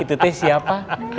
itu teh siapa